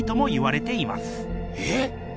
えっ？